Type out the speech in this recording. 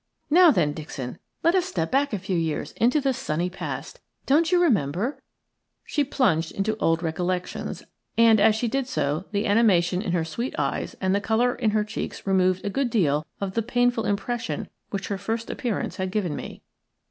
Now then, Dixon, let us step back a few years into the sunny past. Don't you remember —" She plunged into old recollections, and as she did so the animation in her sweet eyes and the colour in her cheeks removed a good deal of the painful impression which her first appearance had given me.